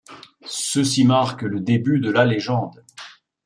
Ceci marque le début de la légende.